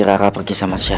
si rara pergi sama siapa sih